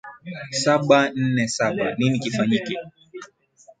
saba nne saba nini kifanyike